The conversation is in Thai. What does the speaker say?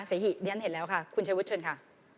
เสฮิเรียนแล้วค่ะคุณเชวุทรเชิญค่ะ